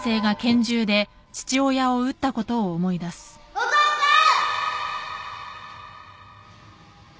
お父さん！